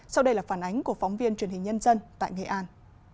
sau đây là phản ánh của phóng viên truyền hình nhân dân tại nghệ an